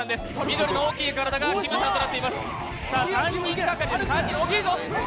緑の大きい体がきむさんとなっています。